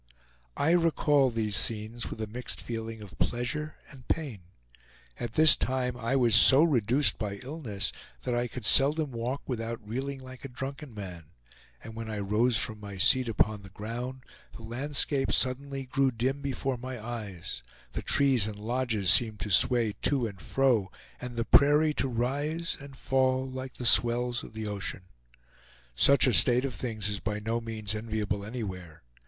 I recall these scenes with a mixed feeling of pleasure and pain. At this time I was so reduced by illness that I could seldom walk without reeling like a drunken man, and when I rose from my seat upon the ground the landscape suddenly grew dim before my eyes, the trees and lodges seemed to sway to and fro, and the prairie to rise and fall like the swells of the ocean. Such a state of things is by no means enviable anywhere.